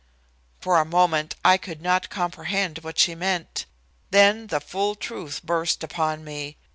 For a moment I could not comprehend what she meant; then the full truth burst upon me.